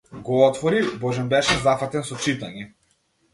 Го отвори, божем беше зафатен со читање.